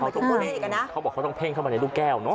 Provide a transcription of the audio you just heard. เขาบอกว่าเขาต้องเพ่งเข้าไปในลูกแก้วเนอะ